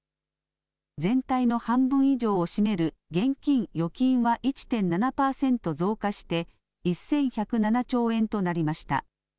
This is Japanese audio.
全体の半分以上を占める現金・預金は、１．７％増加して、１１０７兆円となりました。